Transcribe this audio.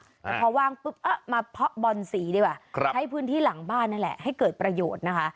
แต่พอว่างปุ๊บมาเพาะบอนสีดีกว่าใช้พื้นที่หลังบ้านนั่นแหละให้เกิดประโยชน์นะคะ